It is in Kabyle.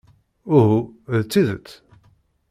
Uhuh! D tidet?